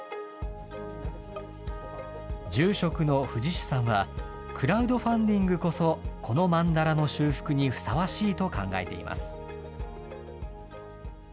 住職の藤支さんはクラウドファンディングこそこのまんだらの修復にふさわしいと考えています。